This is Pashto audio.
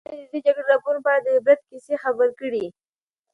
ازادي راډیو د د جګړې راپورونه په اړه د عبرت کیسې خبر کړي.